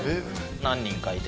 何人かいて？